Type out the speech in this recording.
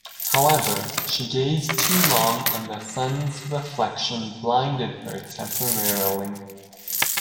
However, she gazed too long and the sun's reflection blinded her temporarily.